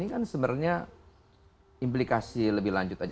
ini kan sebenarnya implikasi lebih lanjut aja